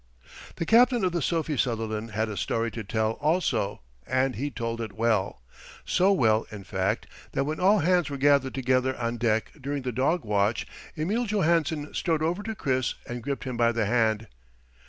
The captain of the Sophie Sutherland had a story to tell, also, and he told it well—so well, in fact, that when all hands were gathered together on deck during the dog watch, Emil Johansen strode over to Chris and gripped him by the hand.